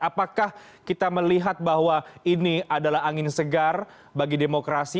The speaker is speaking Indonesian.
apakah kita melihat bahwa ini adalah angin segar bagi demokrasi